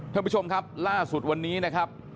ท่านผู้ชมครับล่าสุดวันนี้นะครับ